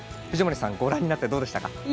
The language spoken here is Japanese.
藤森さんご覧になってどうでしたか？